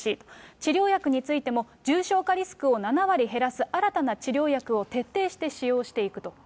治療薬についても、重症化リスクを７割減らす新たな治療薬を徹底して使用していくと。